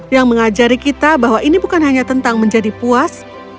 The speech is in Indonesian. yang mengajari kita bahwa ini bukan hanya tentang menjadi puas